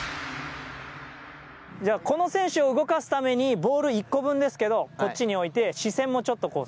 この選手を動かすためにボール１個分ですがこっちに置いて視線もちょっと。